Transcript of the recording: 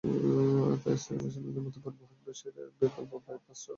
তাই স্থানীয় বাসিন্দাদের মতো পরিবহন ব্যবসায়ীরাও বিকল্প বাইপাস সড়কের দাবি করছেন।